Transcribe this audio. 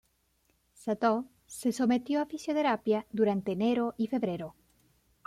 Satō se sometió a fisioterapia durante enero y febrero.